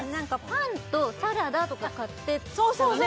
パンとサラダとか買ってったらね